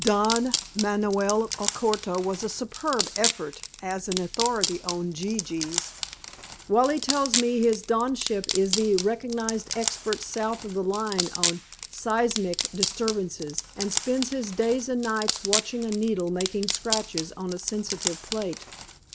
"Don Manoel Alcorta was a superb effort as an authority on gee gees. Wally tells me his donship is the recognized expert south of the line on seismic disturbances, and spends his days and nights watching a needle making scratches on a sensitive plate."